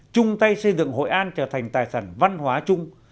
chung tay xây dựng hội an trở thành tài sản văn hóa chung